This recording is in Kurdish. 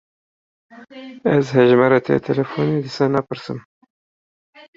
Ez hejmara te ya telefonê dîsa napirsim.